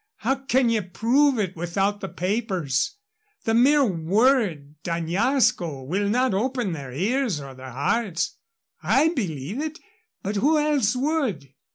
How can ye prove it without the papers? The mere word 'D'Añasco' will not open their ears or their hearts. I believe it, but who else would?"